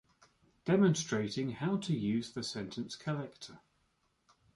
Demonstrating how to use the sentence collector.